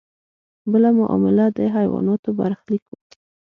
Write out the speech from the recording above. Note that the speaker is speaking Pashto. بله معامله د حیواناتو برخلیک و.